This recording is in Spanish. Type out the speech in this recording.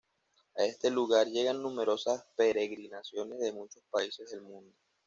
A este lugar llegan numerosas peregrinaciones de muchos países del mundo.